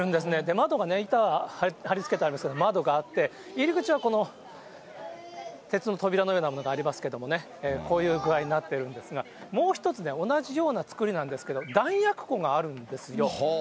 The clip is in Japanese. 窓が、板はりつけてありますけれども、窓があって、入り口はこの鉄の扉のようなものがありますけれどもね、こういう具合になってるんですが、もう一つね、同じような造りなんですけど、弾薬庫があるんですよ。